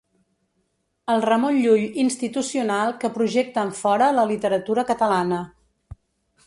El Ramon Llull institucional que projecta enfora la literatura catalana.